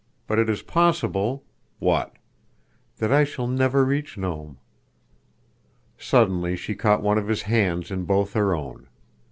But—it is possible—" "What?" "That I shall never reach Nome." Suddenly she caught one of his hands in both her own.